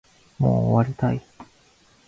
もう終わりたい